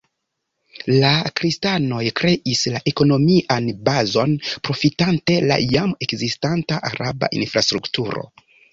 La kristanoj kreis la ekonomian bazon profitante la jam ekzistanta araba infrastrukturo.